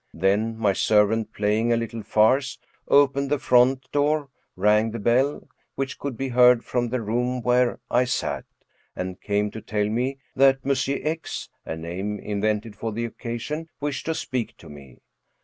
Then my servant, playing a little farce, opened the front door, rang the bell, which could be heard from the room where I sat, and came to tell me that M. X (a name invented for the occasion) wished to speak to me.